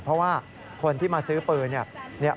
เพราะว่าคนที่มาซื้อปืนเนี่ย